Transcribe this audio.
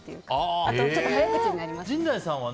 あと、ちょっと早口になりますね。